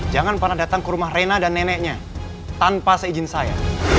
jangan pernah datang ke rumah rena dan neneknya tanpa seizin saya